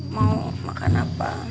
mau makan apa